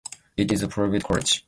It is a private college.